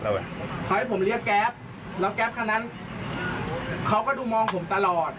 แล้วแก๊ปคนนั้นเขาก็ดูมองผมตลอด